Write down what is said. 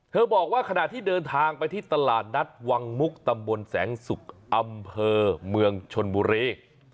บอกว่าขณะที่เดินทางไปที่ตลาดนัดวังมุกตำบลแสงสุกอำเภอเมืองชนบุรี